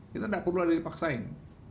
kita nggak perlu ada yang paksain